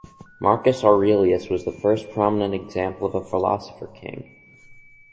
Marcus Aurelius was the first prominent example of a philosopher king.